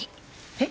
えっ？